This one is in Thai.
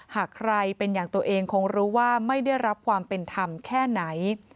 หากใครเป็นอย่างตัวเองคงรู้ว่าไม่ได้รับความเป็นธรรมแค่ไหน